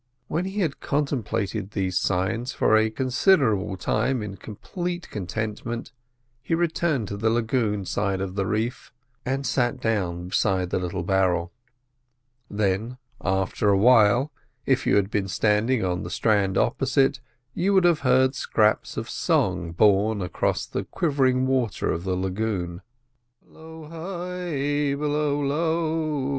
When he had contemplated these sights for a considerable time in complete contentment, he returned to the lagoon side of the reef and sat down beside the little barrel. Then, after a while, if you had been standing on the strand opposite, you would have heard scraps of song borne across the quivering water of the lagoon.